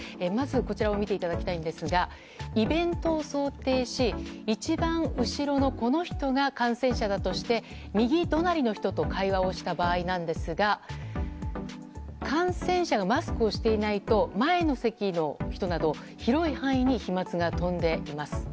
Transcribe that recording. まずこちらを見ていただきたいんですがイベントを想定し、一番後ろのこの人が感染者だとして右隣の人と会話をした場合ですが感染者がマスクをしていないと前の席の人など広い範囲に飛沫が飛んでいます。